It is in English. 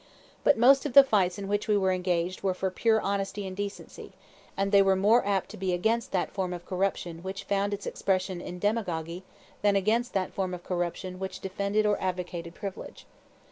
But most of the fights in which we were engaged were for pure honesty and decency, and they were more apt to be against that form of corruption which found its expression in demagogy than against that form of corruption which defended or advocated privilege.